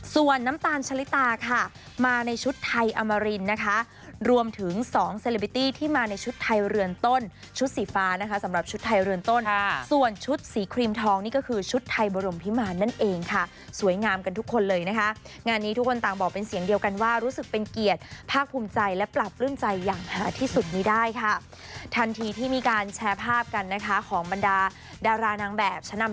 ส่วนน้ำตาลชะลิตาค่ะมาในชุดไทยอมรินนะคะรวมถึงสองเซลบิตี้ที่มาในชุดไทยเรือนต้นชุดสีฟ้านะคะสำหรับชุดไทยเรือนต้นค่ะส่วนชุดสีครีมทองนี่ก็คือชุดไทยบรมพิมาณนั่นเองค่ะสวยงามกันทุกคนเลยนะคะงานนี้ทุกคนต่างบอกเป็นเสียงเดียวกันว่ารู้สึกเป็นเกียรติภาคภูมิใจและปราบปรื่นใจอย่างห